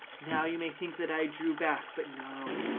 Now you may think that I drew back—but no.